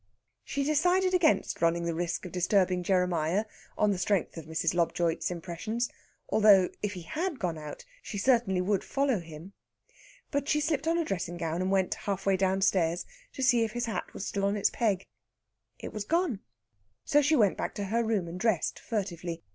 She decided against running the risk of disturbing Jeremiah on the strength of Mrs. Lobjoit's impressions; although, if he had gone out, she certainly would follow him. But she slipped on a dressing gown and went half way downstairs, to see if his hat was still on its peg. It was gone. So she went back to her room, and dressed furtively.